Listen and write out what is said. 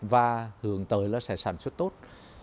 và hướng tới là sẽ sản xuất tốt